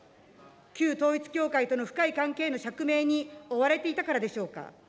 旧統一教会との深い関係への釈明に追われていたからでしょうか。